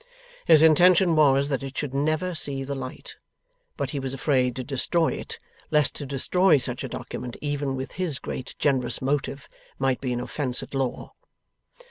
His intention was, that it should never see the light; but he was afraid to destroy it, lest to destroy such a document, even with his great generous motive, might be an offence at law.